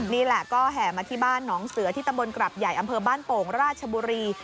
นี่แหละก็แห่มาที่บ้านหนองเสือที่ตำบลกรับใหญ่อำเภอบ้านโป่งราชบุรี